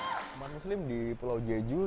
pemang muslim di pulau jejik